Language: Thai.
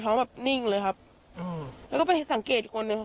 เขาแบบนิ่งเลยครับแล้วก็ไปสังเกตคนเนี่ย